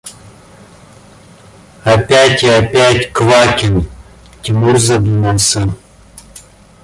– Опять и опять Квакин! – Тимур задумался.